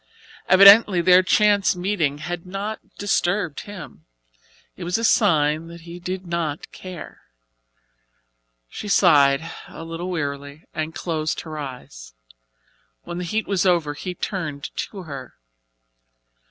Evidently their chance meeting had not disturbed him. It was a sign that he did not care. She sighed a little wearily and closed her eyes. When the heat was over he turned to her.